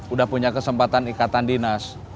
udah punya kesempatan ikatan dinas